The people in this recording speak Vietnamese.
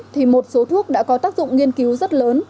thì một số thuốc đã có tác dụng nghiên cứu rất lớn